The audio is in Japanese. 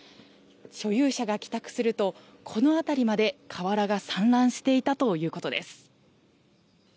所有者が帰宅するとこの辺りまで瓦が散乱していたということです。